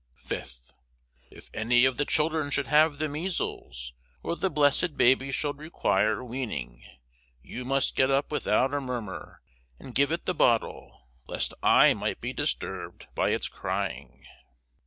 5th. If any of the children should have the measles, or the blessed baby should require weaning, you must get up without a murmer and give it the bottle, lest I might be disturbed by its crying.